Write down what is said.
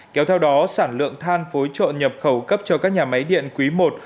kéo theo đó sản lượng than phối trộn nhập khẩu cấp cho các nhà máy điện quý i